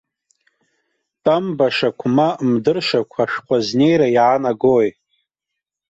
Тәамбашақә, ма мдыршақә ашәҟәы азнеира иаанагои.